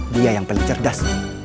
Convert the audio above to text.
dia yang paling cerdas